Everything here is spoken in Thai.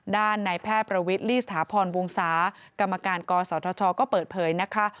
ด้านนายแพร่ประวิทรีสธาพรวงศากรรมการกสชก็เปิดเผยนะคะ